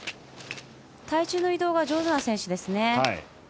体重の移動が上手な選手。